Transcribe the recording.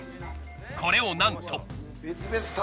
これをなんと。